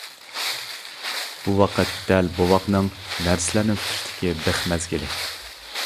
بۇ ۋاقىت دەل بوۋاقنىڭ نەرسىلەرنى تونۇشتىكى بىخ مەزگىلى.